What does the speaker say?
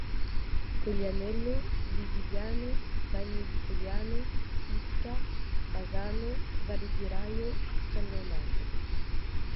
Collianello, Bisigliano, Bagni di Colliano, Isca, Pazzano, Valle di Raio, San Leonardo.